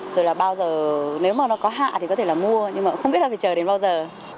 rồi là bao giờ nếu mà nó có hạ thì có thể là mua nhưng mà không biết là phải chờ đến bao giờ